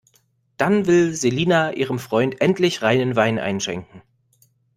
Dann will Selina ihrem Freund endlich reinen Wein einschenken.